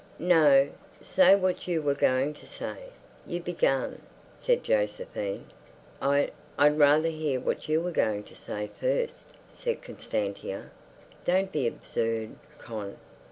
"No, say what you were going to say. You began," said Josephine. "I... I'd rather hear what you were going to say first," said Constantia. "Don't be absurd, Con."